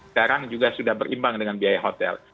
sekarang juga sudah berimbang dengan biaya hotel